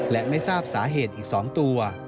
และไม่ทราบสาเหตุอีก๒ตัว